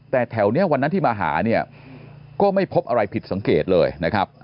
แต่แถวนี้วันนั้นที่มาหาเนี่ยก็ไม่พบอะไรผิดสังเกตเลยนะครับ